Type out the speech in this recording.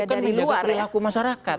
dari luar ya bukan menjaga perilaku masyarakat